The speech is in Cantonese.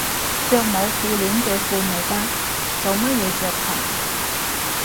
着冇褲鏈嘅褲咪得，做乜要着裙